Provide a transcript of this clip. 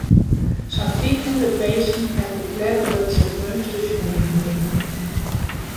Sa'n fiifhûndert minsken hawwe ferklearre dat se it meunster sjoen hiene.